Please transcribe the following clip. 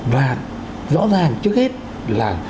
và rõ ràng trước hết là